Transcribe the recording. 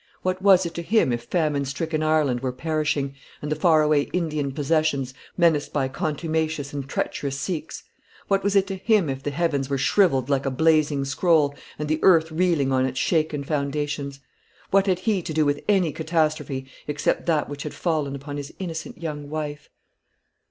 What was it to him if famine stricken Ireland were perishing, and the far away Indian possessions menaced by contumacious and treacherous Sikhs? What was it to him if the heavens were shrivelled like a blazing scroll, and the earth reeling on its shaken foundations? What had he to do with any catastrophe except that which had fallen upon his innocent young wife?